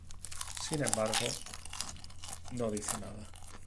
Sin embargo, no dice nada.